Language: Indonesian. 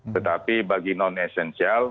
tetapi bagi non esensial